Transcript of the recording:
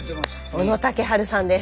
小野竹春さんです。